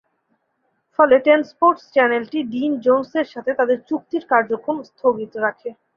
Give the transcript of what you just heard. ফলে Ten Sports চ্যানেলটি Dean জোন্সের সাথে তাদের চুক্তির কার্যক্রম স্থগিত রাখে।